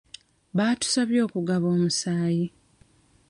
Baatusabye okugaba omusaayi.